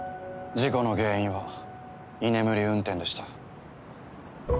事故の原因は居眠り運転でした。